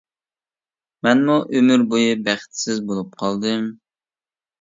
مەنمۇ ئۆمۈر بويى بەختسىز بولۇپ قالدىم.